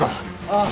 ああ。